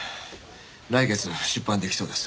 来月出版できそうです。